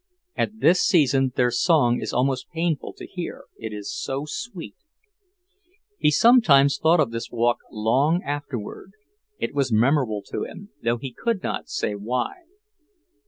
At this season their song is almost painful to hear, it is so sweet. He sometimes thought of this walk long afterward; it was memorable to him, though he could not say why.